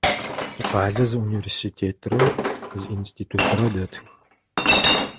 Тикъалэ зы университетрэ зы институтрэ дэтых.